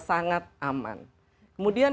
sangat aman kemudian